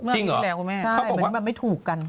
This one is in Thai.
จริงเหรอคุณแม่เขาบอกว่าใช่มันไม่ถูกกัน